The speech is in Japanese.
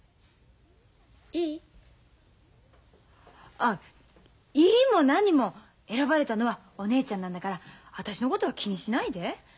あいいも何も選ばれたのはお姉ちゃんなんだから私のことは気にしないで。